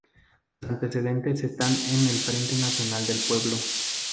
Sus antecedentes están en el Frente Nacional del Pueblo.